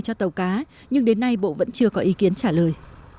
cho tàu cá nhưng đến nay bộ vẫn chưa có ý kiến trả lời